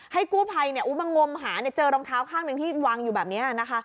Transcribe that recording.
กู้ภัยมางมหาเจอรองเท้าข้างหนึ่งที่วางอยู่แบบนี้นะคะ